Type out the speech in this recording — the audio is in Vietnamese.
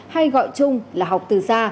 hay gọi chung là học từ xa